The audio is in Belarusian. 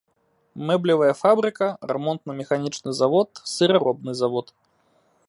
Мэблевая фабрыка, рамонтна-механічны завод, сыраробны завод.